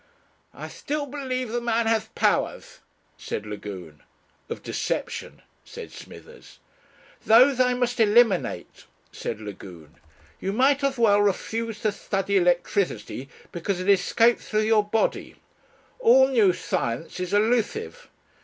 "I still believe the man has powers," said Lagune. "Of deception," said Smithers. "Those I must eliminate," said Lagune. "You might as well refuse to study electricity because it escaped through your body. All new science is elusive.